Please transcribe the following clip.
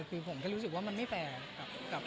คือผมแค่รู้สึกว่ามันไม่แฟร์